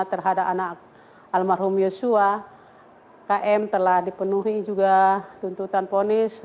terhadap anak almarhum yosua km telah dipenuhi juga tuntutan ponis